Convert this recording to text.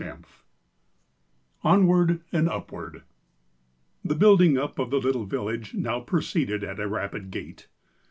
XXII ONWARD AND UPWARD THE building up of the little village now proceeded at a rapid gait.